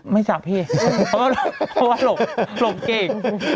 ไม่จับพี่เพราะว่าหลบเก่ง